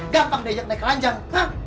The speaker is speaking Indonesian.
gampang diajak naik ranjang